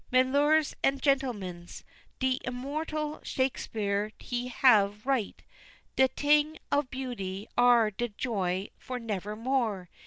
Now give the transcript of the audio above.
Milors and Gentlemans! De immortal Shakespeare he have write, 'De ting of beauty are de joy for nevermore.'